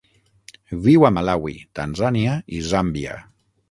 Viu a Malawi, Tanzània i Zàmbia.